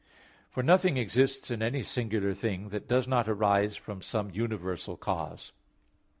For nothing exists in any singular thing, that does not arise from some universal cause.